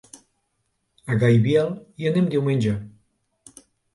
A Gaibiel hi anem diumenge.